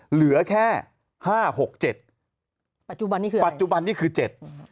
เหลือแค่๕๖๗ปัจจุบันนี่คือ๗